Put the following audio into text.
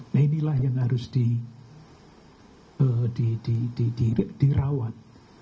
nah inilah yang harus dirawat